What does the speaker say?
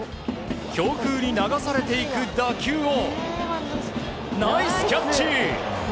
強風に流されていく打球をナイスキャッチ。